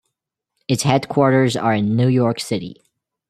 Its headquarters are in New York City.